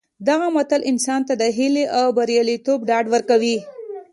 دغه متل انسان ته د هیلې او بریالیتوب ډاډ ورکوي